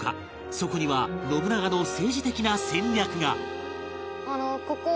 そこには信長の政治的な戦略が